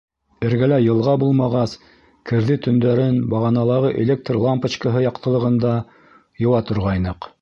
Эргәлә йылға булмағас, керҙе төндәрен бағаналағы электр лампочкаһы яҡтылығында йыуа торғайныҡ.